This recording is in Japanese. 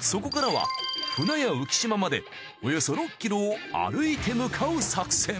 そこからはふなや浮島までおよそ６ｋｍを歩いて向かう作戦。